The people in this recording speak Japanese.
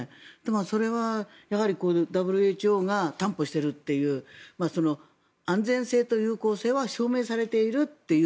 それはやはりＷＨＯが担保しているというその安全性と有効性は証明されているという。